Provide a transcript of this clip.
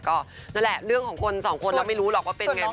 ก็นั่นแหละเรื่องของคนสองคนเราไม่รู้หรอกว่าเป็นไง